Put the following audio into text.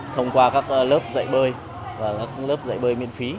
thông qua các lớp dạy bơi và các lớp dạy bơi miễn phí